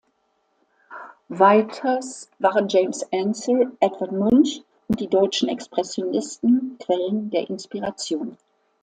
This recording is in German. Weiters waren James Ensor, Edvard Munch und die deutschen Expressionisten Quellen der Inspiration.